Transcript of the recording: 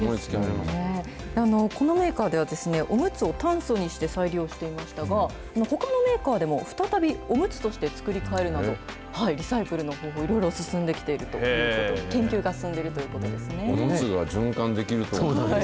このメーカーでは、おむつを炭素にして再利用していましたが、ほかのメーカーでも、再びおむつとして作り替えるなど、リサイクルの方法、いろいろ進んできていると、研究が進んできているということです